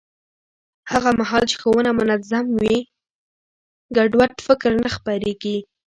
هغه مهال چې ښوونه منظم وي، ګډوډ فکر نه خپرېږي.